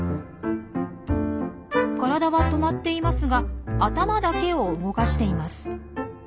体は止まっていますが頭だけを動かしています。